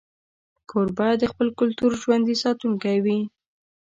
کوربه د خپل کلتور ژوندي ساتونکی وي.